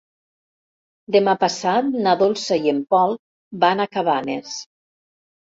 Demà passat na Dolça i en Pol van a Cabanes.